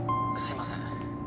すいません